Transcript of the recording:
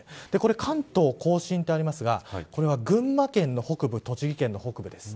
関東甲信とありますがこれは群馬県の北部栃木県の北部です。